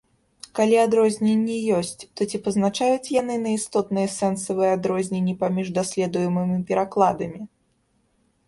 Калі адрозненні ёсць, то ці пазначаюць яны на істотныя сэнсавыя адрозненні паміж даследуемымі перакладамі?